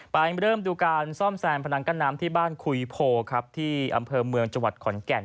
เริ่มดูการซ่อมแซมพนังกั้นน้ำที่บ้านคุยโพครับที่อำเภอเมืองจังหวัดขอนแก่น